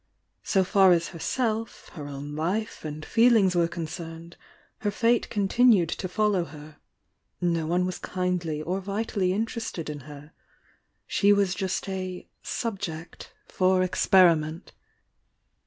So far as her self, her own life and feelings were concerned, her fate continued to follow her— no one was kindly or vitally interested in her,— she was just a "subject" for experiment.